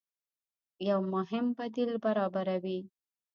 يو مهم بديل برابروي